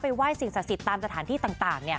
ไปไหว้สิ่งสาธิตตามสถานที่ต่าง